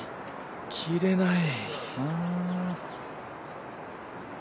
切れない。